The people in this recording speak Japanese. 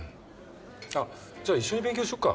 あっ！じゃあ一緒に勉強しようか。